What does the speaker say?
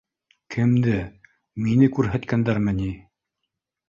— Кемде? Мине күрһәткәндәрме ни?